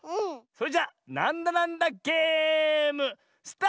それじゃ「なんだなんだゲーム」スタート！